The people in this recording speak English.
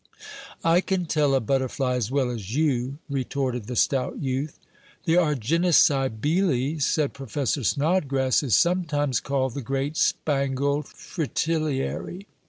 "I can tell a butterfly as well as you!" retorted the stout youth. "The Argynnis cybele," said Professor Snodgrass, "is sometimes called the great spangled Fritillary.